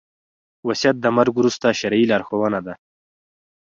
وصيت د مرګ وروسته شرعي لارښوونه ده